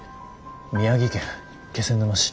「宮城県気仙沼市。